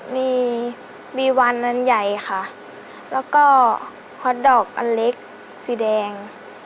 มีมีวันอันใหญ่ค่ะแล้วก็ฮอตดอกอันเล็กสีแดง